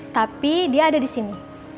tapi dia ada disini